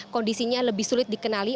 kondisinya lebih sulit dikenali